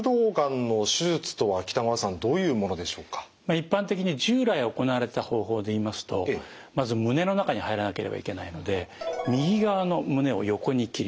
一般的に従来行われた方法で言いますとまず胸の中に入らなければいけないので右側の胸を横に切ります。